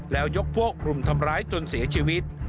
แล้วยกพวกรุมทำร้ายจนเสียชีวิต